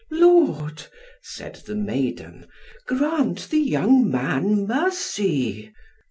"Lord," said the maiden, "grant the young man mercy."